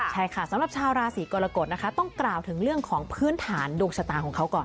ใช่ค่ะสำหรับชาวราศีกรกฎนะคะต้องกล่าวถึงเรื่องของพื้นฐานดวงชะตาของเขาก่อน